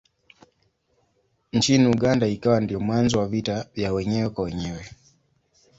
Nchini Uganda ikawa ndiyo mwanzo wa vita vya wenyewe kwa wenyewe.